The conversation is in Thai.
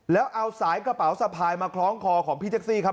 แล้วเอาสายกระเป๋าสะพายมาคล้องคอของพี่แท็กซี่ครับ